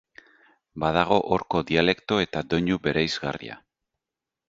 Badago horko dialekto eta doinu bereizgarria.